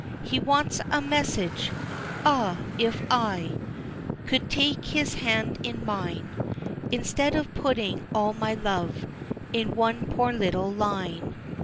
He wants a message Ah, if I Could take his hand in mine Instead of putting all my love In one poor little line.